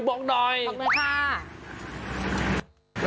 บอกเลยค่ะ